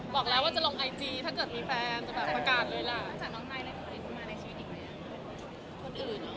บอกแล้วว่าจะลองไอจีถ้าเกิดมีแฟน